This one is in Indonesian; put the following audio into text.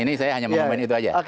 ini saya hanya mau komen itu aja